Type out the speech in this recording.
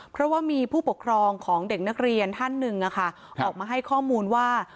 เพราะว่ามีผู้ปกครองของเด็กนักเรียนท่านหนึ่งออกมาให้ข้อมูลว่า